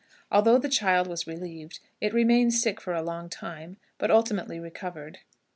Although the child was relieved, it remained sick for a long time, but ultimately recovered.